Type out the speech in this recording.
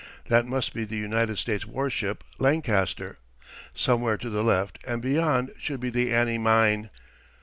That must be the United States war ship Lancaster. Somewhere to the left and beyond should be the Annie Mine.